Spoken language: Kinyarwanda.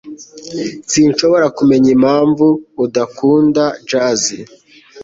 Sinshobora kumenya impamvu udakunda jazz.